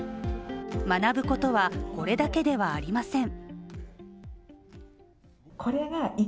学ぶことは、これだけではありません。